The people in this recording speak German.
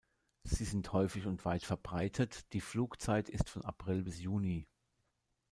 Sie sind häufig und weit verbreitet, die Flugzeit ist von April bis Juni.